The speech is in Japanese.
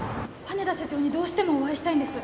羽田社長にどうしてもお会いしたいんです